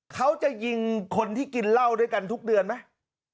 เขาจะยิงคนที่กินเหล้าด้วยกันทุกเดือนไหม